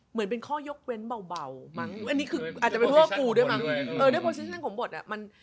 เหมือนเป็นข้อยกเว้นเบา